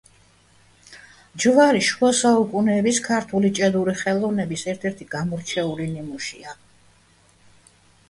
ჯვარი შუა საუკუნეების ქართული ჭედური ხელოვნების ერთ-ერთი გამორჩეული ნიმუშია.